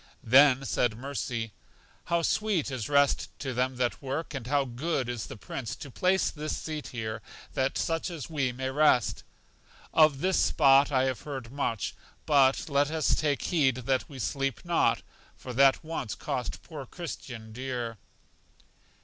Then said Mercy: How sweet is rest to them that work! And how good is the Prince to place this seat here that such as we may rest! Of this spot I have heard much, but let us take heed that we sleep not, for that once cost poor Christian dear.